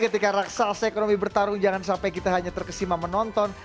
ketika raksasa ekonomi bertarung jangan sampai kita hanya terkesima menonton